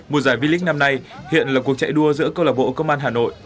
một giải v league năm nay hiện là cuộc chạy đua giữa công an hà nội